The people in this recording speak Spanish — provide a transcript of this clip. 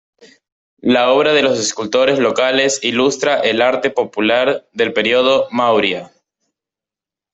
La obra de los escultores locales ilustra el arte popular del período Maurya.